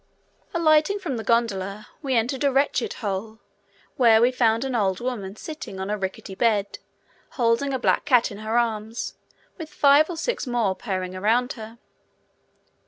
Alighting from the gondola, we enter a wretched hole, where we find an old woman sitting on a rickety bed, holding a black cat in her arms, with five or six more purring around her.